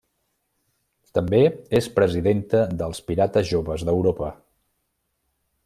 També és presidenta dels Pirates Joves d'Europa.